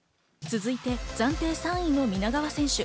続いて暫定３位の皆川選手。